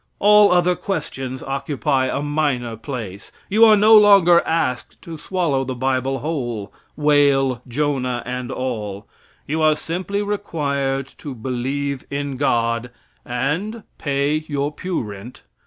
All other questions occupy a minor place. You are no longer asked to swallow the bible whole, whale, Jonah and all; you are simply required to believe in God, and pay your pew rent.